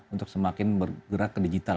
untuk semakin bergerak ke digital